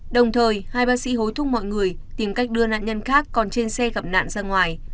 đồng thời hai bác sĩ hối thúc mọi người tìm cách đưa nạn nhân khác còn trên xe gặp nạn ra ngoài